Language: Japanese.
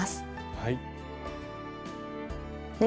はい。